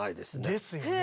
ですよね。